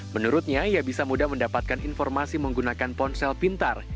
menurutnya ia bisa mudah mendapatkan informasi menggunakan ponsel pintar